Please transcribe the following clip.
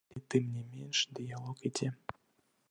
Але, тым не менш, дыялог ідзе.